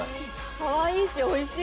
かわいいしおいしい！